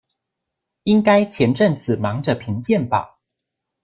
應該前陣子忙著評鑑吧